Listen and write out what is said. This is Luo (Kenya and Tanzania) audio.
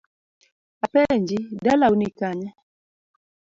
Apenji, dalau ni kanye?